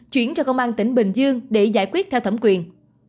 chuyển cho công an tỉnh bình dương để giải quyết theo thẩm quyền